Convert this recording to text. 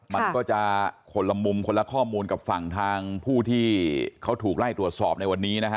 มันก็จะคนละมุมคนละข้อมูลกับฝั่งทางผู้ที่เขาถูกไล่ตรวจสอบในวันนี้นะฮะ